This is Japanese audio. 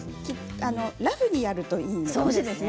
ラフにやるといいですね。